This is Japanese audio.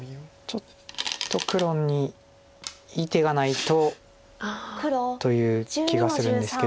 ちょっと黒にいい手がないとという気がするんですけど。